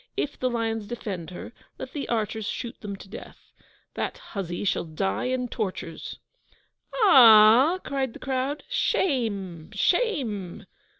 If the lions defend her, let the archers shoot them to death. That hussy shall die in tortures!' 'A a ah!' cried the crowd. 'Shame! shame!